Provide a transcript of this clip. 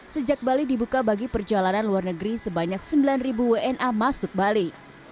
sejak bali dibuka bagi perjalanan luar negeri sebanyak sembilan wna masuk bali